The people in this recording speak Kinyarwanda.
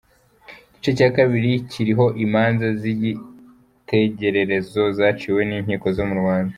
Igice cya kabiri kiriho imanza z’ikitegererezo zaciwe n’inkiko zo mu Rwanda.